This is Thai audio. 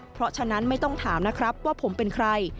เพราะฉะนั้นไม่ต้องถามนะครับว่าผมเป็นใคร